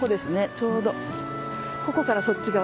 ちょうどここからそっち側が。